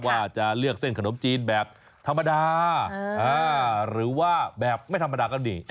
ว่าจะเลือกเส้นขนมจีนแบบธรรมดาหรือว่าแบบไม่ธรรมดาก็ดี